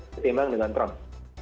ketimbang dengan trump